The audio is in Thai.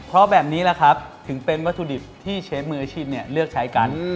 เพราะแบบนี้แหละครับถึงเป็นวัตถุดิบที่เชฟมืออาชีพเลือกใช้กัน